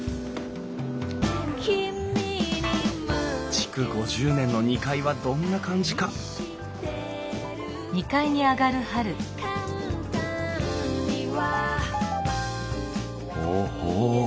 築５０年の２階はどんな感じかほほ。